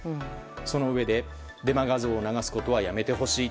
そのうえでデマ画像を流すことはやめてほしい。